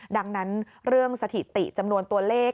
ดังนั้นเรื่องสถิติจำนวนตัวเลข